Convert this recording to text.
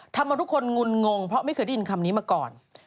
ทำเอาทุกคนงุนงงเพราะไม่เคยได้ยินคำนี้มาก่อน